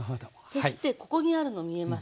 そしてここにあるの見えます？